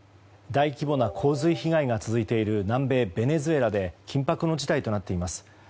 大規模な洪水被害が続いている南米ベネズエラで緊迫の事態となっています。